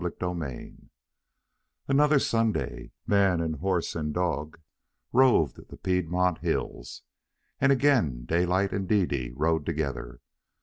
CHAPTER XIII Another Sunday man and horse and dog roved the Piedmont hills. And again Daylight and Dede rode together.